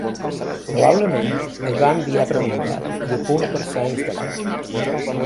Probablement es va enviar premuntat i a punt per ser instal·lat.